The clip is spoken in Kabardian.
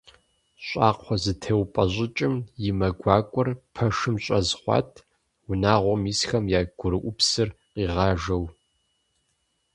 Щӏакхъуэзэтеупӏэщӏыкӏым и мэ гуакӏуэр пэшым щӏэз хъуат, унагъуэм исхэм я гурыӏупсыр къигъажэу.